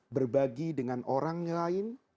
berbagi dengan orang lain